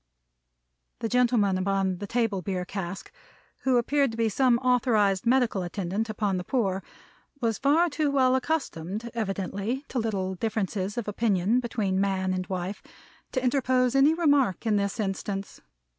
The gentleman upon the table beer cask, who appeared to be some authorized medical attendant upon the poor, was far too well accustomed, evidently, to little differences of opinion between man and wife, to interpose any remark in this instance.